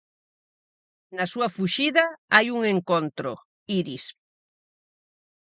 Na súa fuxida, hai un encontro: Iris.